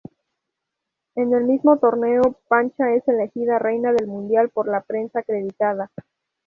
En el mismo torneo, Pancha es elegida Reina del mundial por la prensa acreditada.